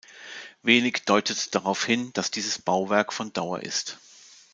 Wenig deutet darauf hin, dass dieses Bauwerk von Dauer ist.